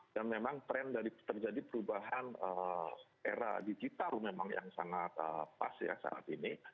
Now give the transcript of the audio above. dan memang tren dari terjadi perubahan era digital memang yang sangat pas ya saat ini